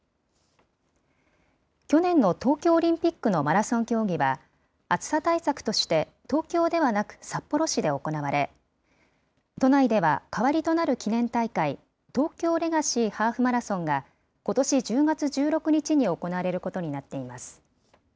去年の東京オリンピックのマラソン競技は、暑さ対策として、東京ではなく札幌市で行われ、都内では代わりとなる記念大会、東京レガシーハーフマラソンが、ことし１０月１６日に行われることになっています。